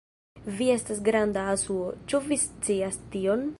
Vi estas granda asuo, ĉu vi scias tion?